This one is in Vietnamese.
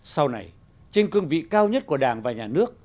sau này trên cương vị cao nhất của đảng và nhà nước